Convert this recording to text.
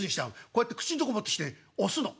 こうやって口んとこ持ってきてね押すの。